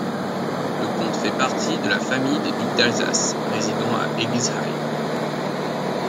Le comte fait partie de la famille des ducs d'Alsace, résidant à Eguisheim.